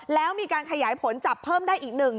แล้วมีการขยายผลจับเพิ่มได้อีกหนึ่ง